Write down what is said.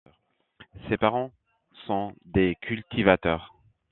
Ses parents sont des cultivateurs.